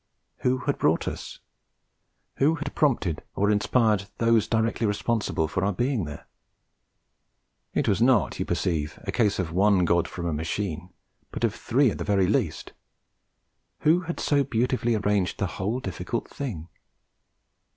Who had brought us? Who had prompted or inspired those directly responsible for our being there? It was not, you perceive, a case of one god from a machine, but of three at the very least. Who had so beautifully arranged the whole difficult thing?